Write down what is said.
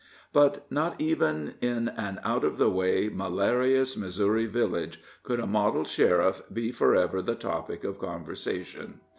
But not even in an out of the way, malarious Missouri village, could a model sheriff be for ever the topic of conversation.